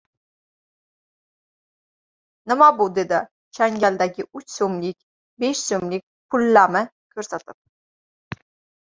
Nima bu? - dedi changalidagi uch so‘mlik, besh so‘mlik pullami ko‘rsatib.